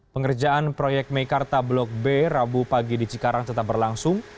pengerjaan proyek meikarta blok b rabu pagi di cikarang tetap berlangsung